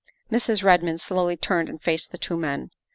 Mrs. Redmond slowly turned and faced the two men.